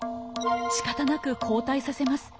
しかたなく後退させます。